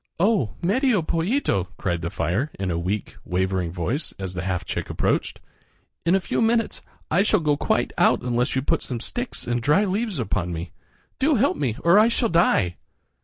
"Oh! Medio Pollito," cried the fire in a weak, wavering voice as the half chick approached, "in a few minutes I shall go quite out unless you put some sticks and dry leaves upon me. Do help me or I shall die!"